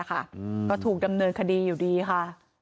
ก็ถูกดำเนินคดีอยู่ดีค่ะ